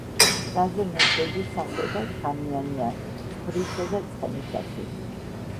კრაზანას ზოგი სახეობა შხამიანია ცხვრისა და ცხენისათვის.